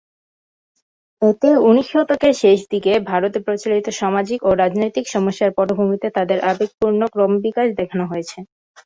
এতে উনিশ শতকের শেষদিকে ভারতে প্রচলিত সামাজিক ও রাজনৈতিক সমস্যার পটভূমিতে তাদের আবেগপূর্ণ ক্রমবিকাশ দেখানো হয়েছে।